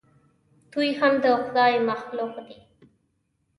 دوى هم د خداى مخلوق دي.